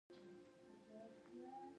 دوه موقعیتونه حقیقت ته نږدې دي.